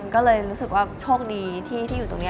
ก็เลยรู้สึกว่าโชคดีที่อยู่ตรงนี้